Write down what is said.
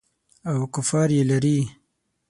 او کفار یې لري.